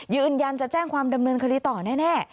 ยืนยันจะแจ้งความดำเนินคดีต่อแน่